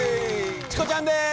チコちゃんです